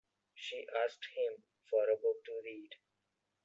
She asked him for a book to read.